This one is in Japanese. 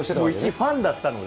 一ファンだったので。